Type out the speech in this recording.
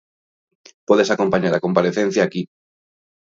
Podes acompañar a comparecencia aquí.